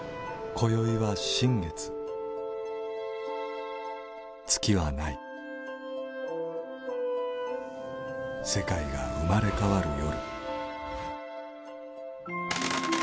「今宵は新月」「月は無い」「世界が生まれ変わる夜」